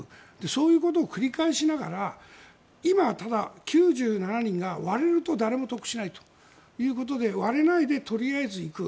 そういうことを繰り返しながら今はただ９７人が割れると誰も得しないということで割れないでとりあえず行く。